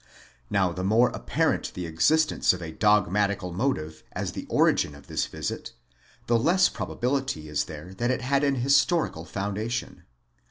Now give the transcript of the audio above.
Now the more apparent the existence of a dogmatica] motive as the origin of this visit, the less probability is there that it had an historical foundation.